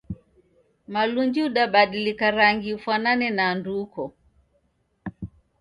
Malunji udabadilika rangu ufwanane na andu uko